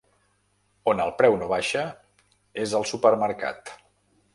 On el preu no baixa és al supermercat.